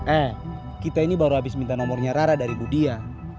eh kita ini baru habis minta nomornya rara dari budia